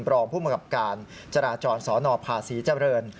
รองผู้มังกับการจราจรสนภาษีเจริญ